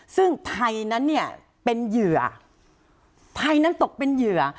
ซึ่งไทยนั้นเนี่ยเป็นเหยื่อไทยนั้นตกเป็นเหยื่อ